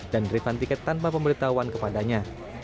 dan driven tiket tanpa pemberitahuan kepadanya